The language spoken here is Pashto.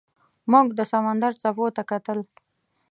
موږ د سمندر څپو ته کتل.